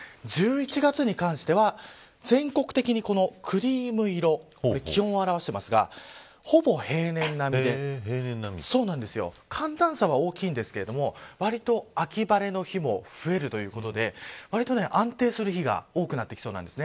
１１月に関しては、全国的にクリーム色気温を表していますがほぼ平年並みで寒暖差は大きいんですけど割と秋晴れの日も増えるということで割と安定する日が多くなってきそうです。